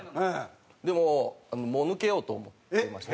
でももう抜けようと思ってまして。